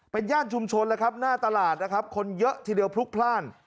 เป็นย่านชุมชนแล้วครับหน้าตลาดนะครับคนเยอะทีเดียวพลุกพลาด